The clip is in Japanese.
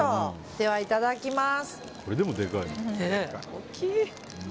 では、いただきます。